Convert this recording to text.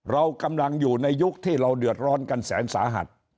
เรากำลังอยู่ในยุคที่เราเดือดร้อนกันแสนสาหัส